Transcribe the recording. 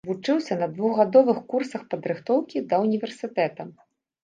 Вучыўся на двухгадовых курсах падрыхтоўкі да ўніверсітэта.